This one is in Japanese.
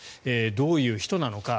どういう人なのか。